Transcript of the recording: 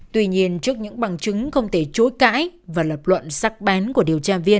tuy nhiên trước những bằng chứng không thể chối cãi và lập luận sắc bén của điều tra viên